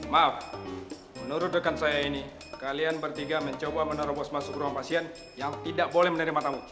maaf menurut rekan saya ini kalian bertiga mencoba menerobos masuk rumah pasien yang tidak boleh menerima tamu